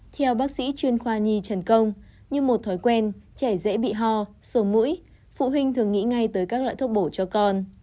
theo bác sĩ chuyên khoa nhi trần công như một thói quen trẻ dễ bị ho sổ mũi phụ huynh thường nghĩ ngay tới các loại thuốc bổ cho con